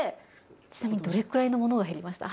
いろいろちなみにどれくらいのものが減りました？